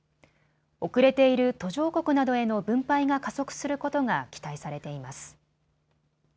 遅れている途上国などへの分配が加速することが期待されています。